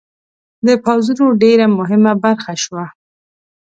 د پوځونو ډېره مهمه برخه شوه.